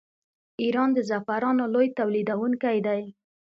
ایران د زعفرانو لوی تولیدونکی دی.